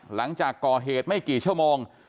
หลังจากก่อเหตุไม่กี่ชั่วโมง